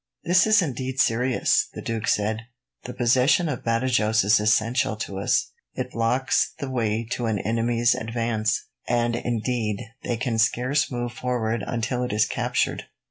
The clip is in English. "This is indeed serious," the duke said. "The possession of Badajos is essential to us. It blocks the way to an enemy's advance, and indeed, they can scarce move forward until it is captured.